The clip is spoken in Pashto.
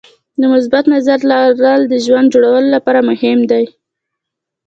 د مثبت نظر لرل د ژوند جوړولو لپاره مهم دي.